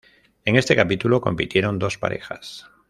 En este capítulo compitieron dos parejas.